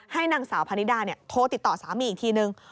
นางสาวพนิดาโทรติดต่อสามีอีกทีนึง